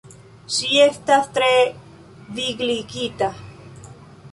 Ŝi estas tre vigligita.